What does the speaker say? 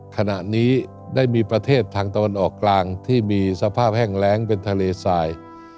ขณะนี้ได้มีประเทศทางตะวันออกกลางที่มีสภาพแห้งแรงเป็นทะเลทราย